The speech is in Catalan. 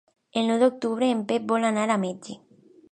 El nou d'octubre en Pep vol anar al metge.